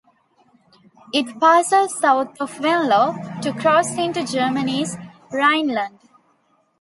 It passes south of Venlo to cross into Germany's Rhineland.